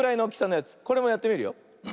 これもやってみるよ。